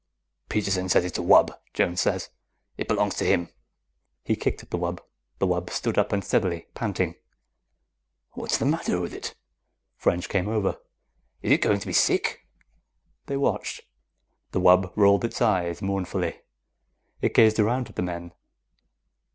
"Peterson says it's a wub," Jones said. "It belongs to him." He kicked at the wub. The wub stood up unsteadily, panting. "What's the matter with it?" French came over. "Is it going to be sick?" They watched. The wub rolled its eyes mournfully. It gazed around at the men.